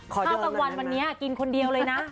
ขอน่ากันวันวันนี้กินคนเดียวเลยนะ